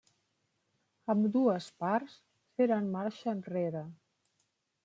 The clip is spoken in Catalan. Ambdues parts feren marxa enrere.